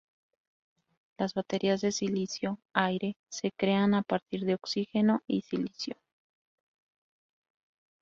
Las baterías de silicio-aire se crean a partir de oxígeno y silicio.